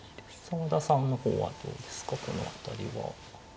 澤田さんの方はどうですかこの辺りは。